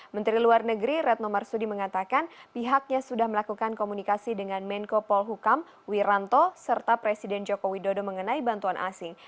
menteri luar negeri retno marsudi mengatakan pihaknya sudah melakukan komunikasi dengan menko polhukam wiranto serta presiden joko widodo mengenai bantuan asing